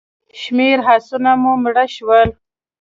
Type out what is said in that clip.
شمېر آسونه مو مړه شول.